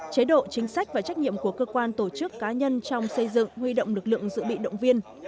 chế độ chính sách và trách nhiệm của cơ quan tổ chức cá nhân trong xây dựng huy động lực lượng dự bị động viên